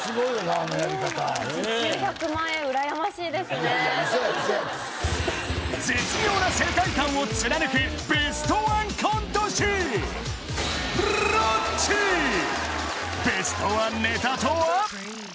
あのやり方ねえ絶妙な世界観を貫くベストワンコント師ベストワンネタとは？